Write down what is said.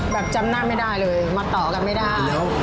จำหน้าไม่ได้เลยมาต่อกันไม่ได้